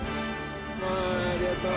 わありがとう！